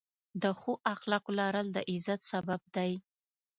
د ښو اخلاقو لرل، د عزت سبب دی.